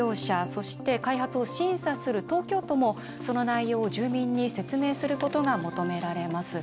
そして開発を審査する東京都もその内容を住民に説明することが求められます。